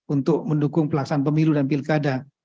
untuk mendukung pelaksanaan pemilu dan pilkada